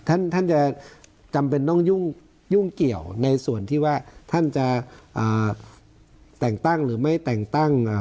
ท่านท่านจะจำเป็นต้องยุ่งเกี่ยวในส่วนที่ว่าท่านจะแต่งตั้งหรือไม่แต่งตั้ง